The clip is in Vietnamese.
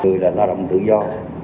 người là lao động tự do